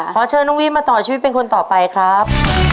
ขอเชิญน้องวิมาต่อชีวิตเป็นคนต่อไปครับ